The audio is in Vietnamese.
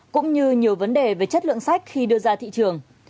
cũng như nhiều vấn đề về chất lượng sách khi đưa ra thị trường